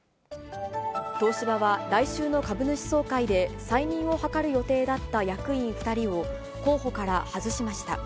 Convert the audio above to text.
東芝は来週の株主総会で再任を図る予定だった役員２人を、候補から外しました。